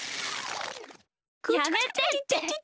やめてって。